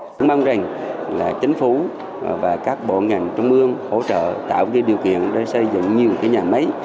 mình mong rằng chính phủ và các bộ ngành trung ương hỗ trợ tạo điều kiện để xây dựng nhiều nhà máy